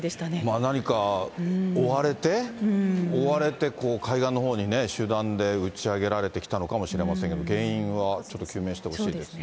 何か追われて、海岸のほうにね、集団で打ち上げられてきたのかもしれませんけれども、原因はちょっと究明してほしいですね。